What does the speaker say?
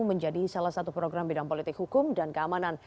menjadi salah satu program bidang politik hukum dan keamanan